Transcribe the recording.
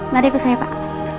mari ke saya pak